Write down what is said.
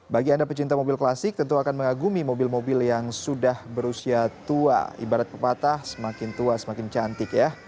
bagi anda pecinta mobil klasik tentu akan mengagumi mobil mobil yang sudah berusia tua ibarat pepatah semakin tua semakin cantik ya